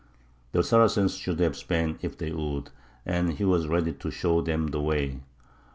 The Saracens should have Spain if they would, and he was ready to show them the way.